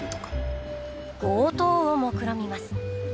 強盗をもくろみます。